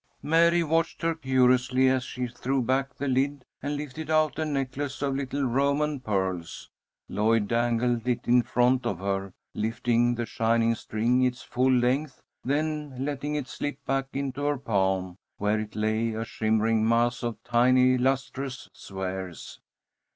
Mary watched her curiously as she threw back the lid and lifted out a necklace of little Roman pearls. Lloyd dangled it in front of her, lifting the shining string its full length, then letting it slip back into her palm, where it lay a shimmering mass of tiny lustrous spheres.